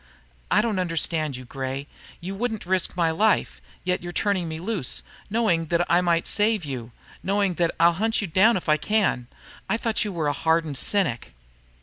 "I don't understand you, Gray. You wouldn't risk my life. Yet you're turning me loose, knowing that I might save you, knowing that I'll hunt you down if I can. I thought you were a hardened cynic."